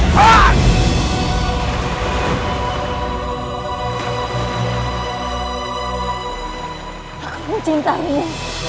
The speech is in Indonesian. belum jadilah om rindu